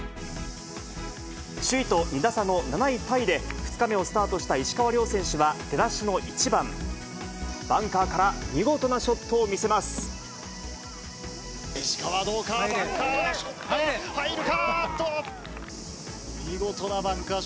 首位と２打差の７位タイで、２日目をスタートした石川遼選手は出だしの１番、バンカーから見石川、どうか、バンカー。